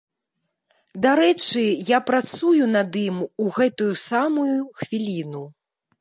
Дарэчы, я працую над ім у гэтую самую хвіліну.